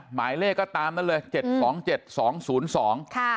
หมายเลขก็ตามนั้นเลยเจ็ดสองเจ็ดสองศูนย์สองค่ะ